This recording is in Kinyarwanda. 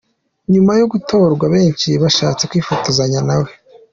Nyuma yo gutorwa benshi bashatse kwifotozanya na we.